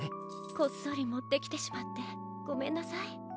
こっそりもってきてしまってごめんなさい。